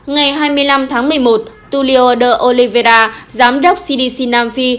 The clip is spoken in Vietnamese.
ngày hai mươi năm tháng một mươi một tulio de oliveira giám đốc cdc nam phi